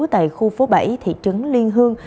tại khu phố bảy thị trấn liên hương